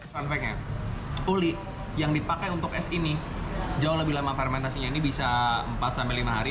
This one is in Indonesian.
uli yang dipakai untuk es ini jauh lebih lama fermentasinya ini bisa empat sampai lima hari